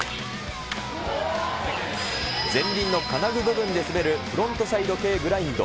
前輪の金具部分で滑るフロントサイドＫグラインド。